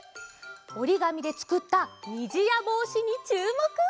おりがみでつくったにじやぼうしにちゅうもく！